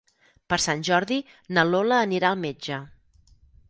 Per Sant Jordi na Lola anirà al metge.